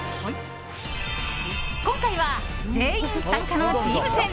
今回は全員参加のチーム戦。